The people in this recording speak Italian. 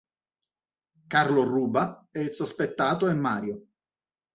Carlo ruba, e il sospettato è Mario.